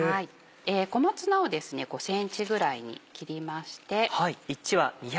小松菜を５ｃｍぐらいに切りまして。